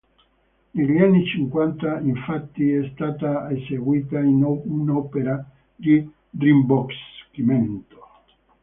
Negli anni cinquanta, infatti, è stata eseguita un'opera di rimboschimento.